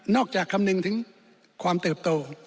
จากคำนึงถึงความเติบโต